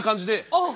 あっ。